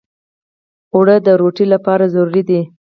اوړه د روتۍ لپاره ضروري دي